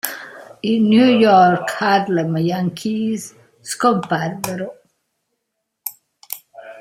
I New York-Harlem Yankees scomparvero.